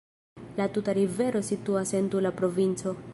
La tuta rivero situas en Tula provinco.